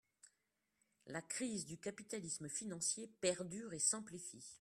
La crise du capitalisme financier perdure et s’amplifie.